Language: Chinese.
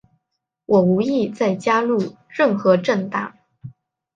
我无意再加入任何政党。